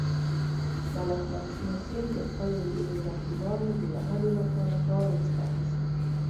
ملک محسن د خپلو رقیبانو د وهلو لپاره کار ورڅخه اخیست.